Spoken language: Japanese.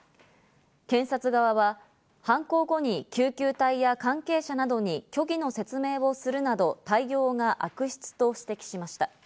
検察側は、犯行後に救急隊や関係者などに虚偽の説明をするなど対応が悪質と指摘しました。